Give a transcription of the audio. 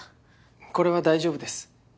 これは大丈夫です。